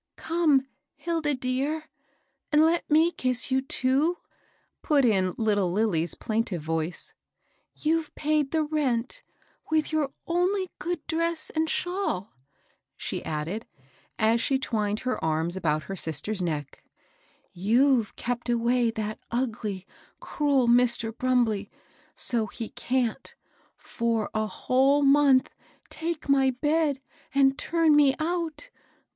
Come, Hilda dear, and let me kiss you, too! " put in little Lilly's plaintive voice. " You've paid the rent with your only good dress and shawl," she added, as she twined her arms about her sis ter's neck, —you've kept away that ugly, cruel Mr. Brumbley, so he can't, for a oofcftU wmOiX^^ 868 MAKKL ROSS. take my bed and turn me out!